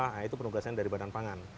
nah itu penugasan dari badan pangan